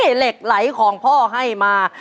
เหล็กไหลของพ่อให้มา